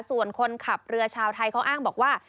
ส่วนคนขับเรือชาวไทยเขาอ้างบอกว่า